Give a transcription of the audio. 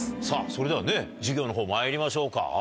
さぁそれではね授業のほうまいりましょうか。